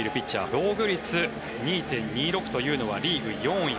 防御率２．２６というのはリーグ４位。